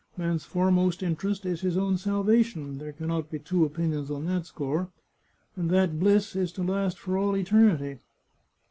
Man's foremost interest is his own salvation — there can not be two opinions on that score — and that bliss is to last for all eternity.